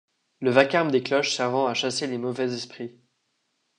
Le vacarme des cloches servant à chasser les mauvais esprits.